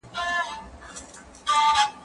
زه به واښه راوړلي وي